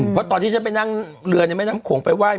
เพราะตอนที่ฉันไปนั่งเรือในแม่น้ำโขงไปไห้